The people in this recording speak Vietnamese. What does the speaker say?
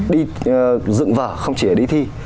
đi dựng vở không chỉ ở đi thi